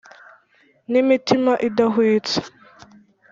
n'imitima idahwitse: